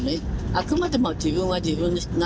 あくまでも自分は自分なのよ。